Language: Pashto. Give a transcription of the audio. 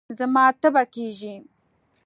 زما تبه کېږي